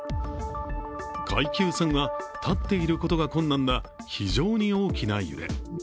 階級３は、立っていることが困難な、非常に大きな揺れ。